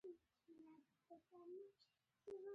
زلمی خان: دولت باید له خټو څخه د دې موټرو د را اېستلو.